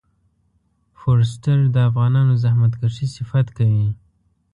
فورسټر د افغانانو زحمت کښی صفت کوي.